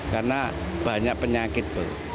karena banyak penyakit